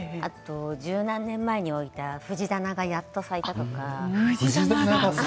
十何年前に置いた藤棚がやっと咲いたとか。